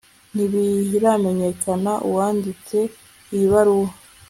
ntibiramenyekana uwanditse iyi baruwa